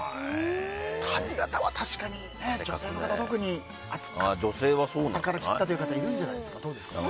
髪形は確かに女性の方は特に暑いから切ったという方いるんじゃないですかね。